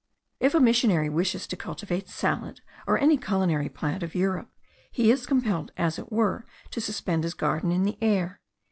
If a missionary wishes to cultivate salad, or any culinary plant of Europe, he is compelled as it were to suspend his garden in the air.